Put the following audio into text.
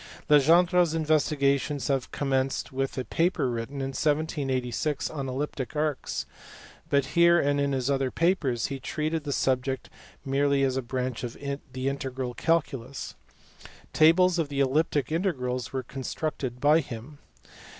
Legendre s investigations had commenced with a paper written in 1786 on elliptic arcs, but here and in his other papers he treated the subject merely as a branch of the integral calculus. Tables of the elliptic integrals were constructed by him.